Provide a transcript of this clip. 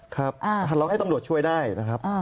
ครับเราให้ตำรวจช่วยได้นะครับ